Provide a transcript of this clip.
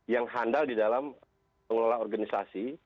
yang handal di dalam pengelola organisasi